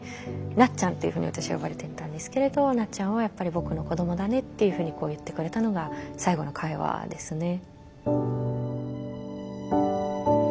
「なっちゃん」っていうふうに私は呼ばれてたんですけれど「なっちゃんはやっぱり僕の子どもだね」っていうふうに言ってくれたのが最後の会話ですね。